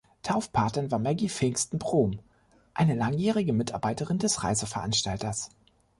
Taufpatin war Maggy Pfingsten-Brohm, eine langjährige Mitarbeiterin des Reiseveranstalters.